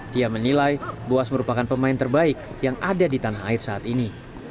dia menilai boas merupakan pemain terbaik yang ada di tanah air saat ini